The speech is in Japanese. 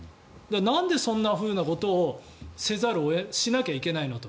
なんでそんなふうなことをしなきゃいけないのかと。